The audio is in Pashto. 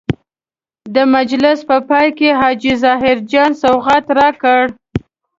د مجلس په پای کې حاجي ظاهر جان سوغات راکړ.